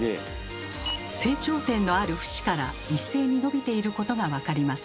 成長点のある節から一斉に伸びていることが分かります。